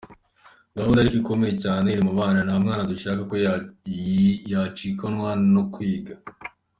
Gahunda ariko ikomeye cyane iri mu bana, nta mwana dushaka ko yacikanwa no kwiga.